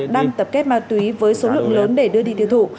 đang tập kết ma túy với số lượng lớn để đưa đi tiêu thụ